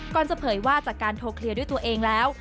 จะเผยว่าจากการโทรเคลียร์ด้วยตัวเองแล้ว